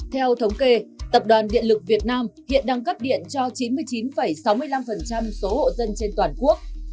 theo thống kê tập đoàn điện lực việt nam hiện đang cấp điện cho chín mươi chín sáu mươi năm số hộ dân trên toàn quốc